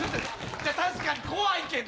確かに怖いけど。